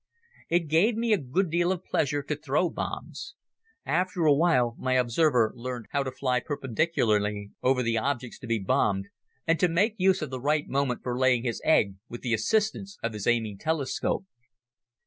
It gave me a good deal of pleasure to throw bombs. After a while my observer learned how to fly perpendicularly over the objects to be bombed and to make use of the right moment for laying his egg with the assistance of his aiming telescope.